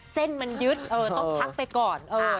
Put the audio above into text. เส้นมันยึดต้องพักไปก่อน